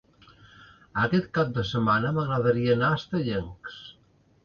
Aquest cap de setmana m'agradaria anar a Estellencs.